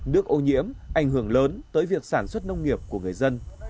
nước ô nhiễm ảnh hưởng lớn tới việc sản xuất nông nghiệp của người dân